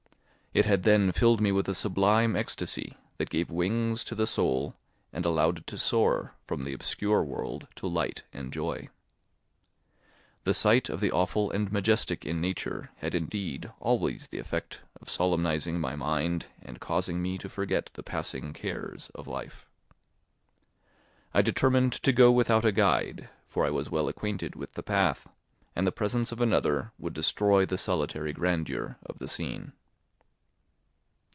It had then filled me with a sublime ecstasy that gave wings to the soul and allowed it to soar from the obscure world to light and joy. The sight of the awful and majestic in nature had indeed always the effect of solemnising my mind and causing me to forget the passing cares of life. I determined to go without a guide, for I was well acquainted with the path, and the presence of another would destroy the solitary grandeur of the scene.